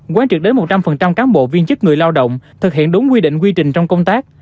quán trực đến một trăm linh cán bộ viên chức người lao động thực hiện đúng quy định quy trình trong công tác